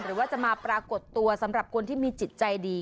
หรือว่าจะมาปรากฏตัวสำหรับคนที่มีจิตใจดี